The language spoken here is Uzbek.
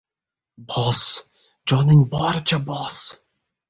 — Bos, joning boricha bos!